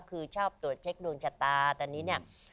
คือชอบตรวจเช็คดวงชะตาตอนนี้เนี่ย